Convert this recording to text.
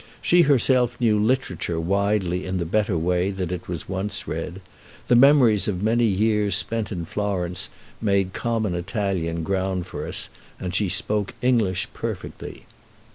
She herself knew literature widely in the better way that it was once read. The memories of many years spent in Florence made common Italian ground for us, and she spoke English perfectly.